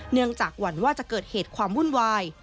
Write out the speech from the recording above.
จากหวั่นว่าจะเกิดเหตุความวุ่นวาย